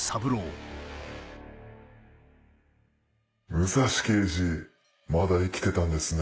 武蔵刑事まだ生きてたんですね。